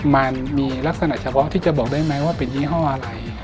มันมีลักษณะเฉพาะที่จะบอกได้ไหมว่าเป็นยี่ห้ออะไร